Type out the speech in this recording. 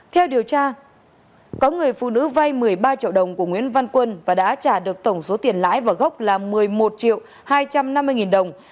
theo điều tra có người phụ nữ vay một mươi ba triệu đồng của nguyễn văn quân và đã trả được tổng số tiền lãi vào gốc là một mươi một triệu hai trăm năm mươi nghìn đồng